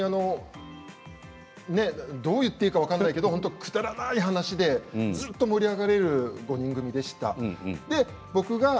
どう言っていいか分からないけどくだらない話でずっと盛り上がれる５人組でした。